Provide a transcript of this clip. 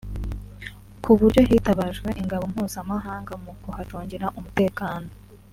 ku buryo hitabajwe ingabo mpuzamahanga mu kuhacungira umutekano